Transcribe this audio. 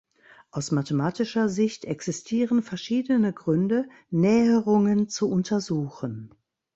Aus mathematischer Sicht existieren verschiedene Gründe, Näherungen zu untersuchen.